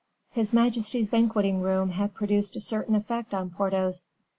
His majesty's banqueting room had produced a certain effect on Porthos.